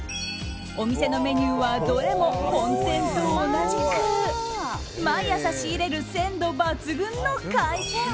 お店のメニューはどれも本店と同じく毎朝仕入れる鮮度抜群の海鮮。